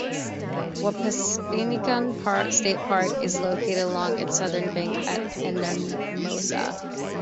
Wapsipinicon State Park is located along its southern bank at Anamosa.